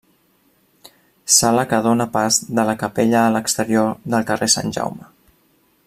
Sala que dóna pas de la Capella a l'exterior del Carrer Sant Jaume.